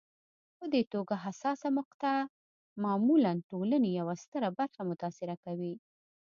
په دې توګه حساسه مقطعه معمولا ټولنې یوه ستره برخه متاثره کوي.